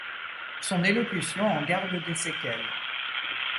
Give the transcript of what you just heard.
Son élocution en garde des séquelles.